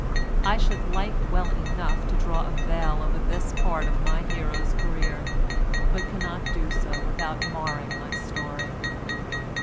I should like well enough to draw a veil over this part of my hero's career, but cannot do so without marring my story.